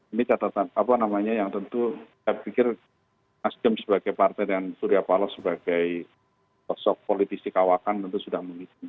ini catatan apa namanya yang tentu saya pikir nasdem sebagai partai dan surya paloh sebagai sosok politisi kawakan tentu sudah mengisi